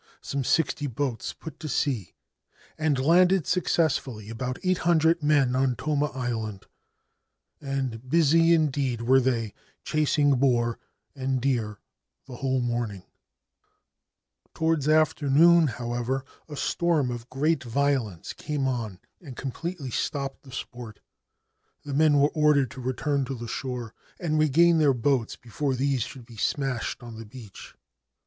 Some sixty boats put to sea, and landed successfully about eight hundred men on Toma Island ; and busy indeed were they chasing boar and deer the whole morning. 120 MAKING HEINEI GETS BLOWN AWAY IN THE STORM The Isolated or Desolated Island Towards afternoon, however, a storm of great violence came on and completely stopped the sport. The men were ordered to return to the shore and regain their boats before these should be smashed on the beach.